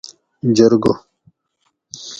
جرگہ